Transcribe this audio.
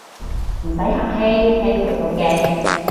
唔使客氣，聽到都驚